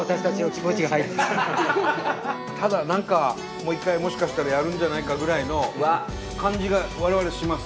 ただ何かもう一回もしかしたらやるんじゃないかぐらいの感じが我々します。